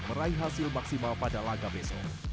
meraih hasil maksimal pada laga besok